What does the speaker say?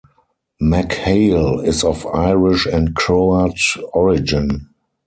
McHale is of Irish and Croat origin.